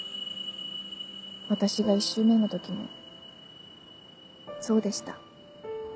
私が１周目の時もそうでした。